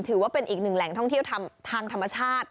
ถือว่าเป็นอีกหนึ่งแหล่งท่องเที่ยวทางธรรมชาติ